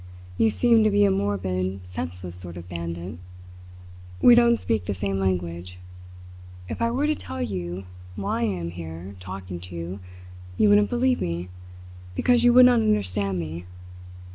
"You seem to be a morbid, senseless sort of bandit. We don't speak the same language. If I were to tell you why I am here, talking to you, you wouldn't believe me, because you would not understand me.